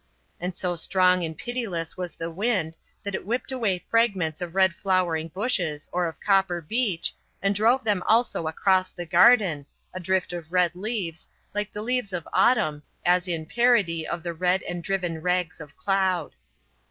And so strong and pitiless was the wind that it whipped away fragments of red flowering bushes or of copper beech, and drove them also across the garden, a drift of red leaves, like the leaves of autumn, as in parody of the red and driven rags of cloud.